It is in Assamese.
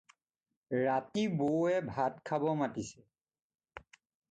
ৰাতি বৌৱে ভাত খাব মাতিলে।